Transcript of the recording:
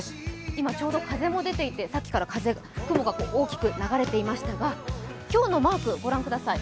今ちょうど風も出ていて雲が大きく流れていましたが今日のマーク、ご覧ください。